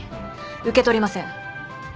受け取りません。